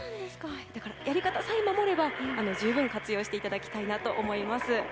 だから、やり方さえ守れば十分活用していただきたいなと思います。